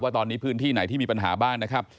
ตอนนี้พื้นที่ไหนที่มีปัญหาบ้างนะครับ